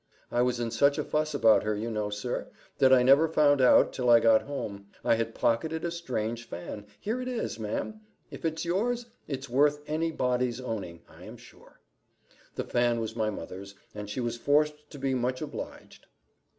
"I was in such a fuss about her, you know, sir, that I never found out, till I got home, I had pocketed a strange fan here it is, ma'am, if it is yours it's worth any body's owning, I am sure." The fan was my mother's, and she was forced to be much obliged.